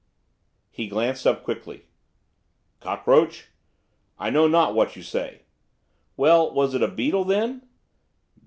He glanced up quickly. 'Cockroach? I know not what you say.' 'Well, was it beetle, then?